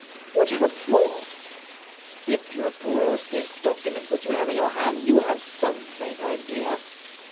"Whatever for?" "If you have perused those documents which you have in your hand, you will have some faint idea.